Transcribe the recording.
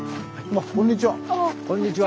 あこんにちは。